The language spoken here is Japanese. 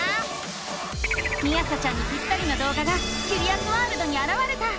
みあさちゃんにぴったりの動画がキュリアスワールドにあらわれた！